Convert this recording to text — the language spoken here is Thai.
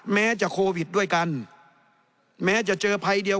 พอโควิดมาปั๊บ